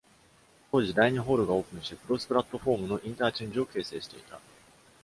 当時、第二ホールがオープンし、クロスプラットフォームのインターチェンジを形成していた。